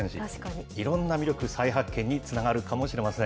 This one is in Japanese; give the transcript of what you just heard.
いろんな魅力、再発見につながるかもしれません。